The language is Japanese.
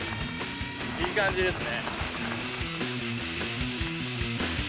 いい感じですね。